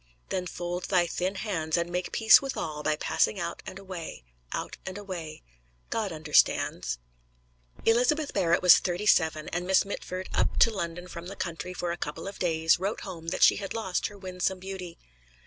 Then fold thy thin hands, and make peace with all by passing out and away, out and away God understands! Elizabeth Barrett was thirty seven, and Miss Mitford, up to London from the country for a couple of days, wrote home that she had lost her winsome beauty.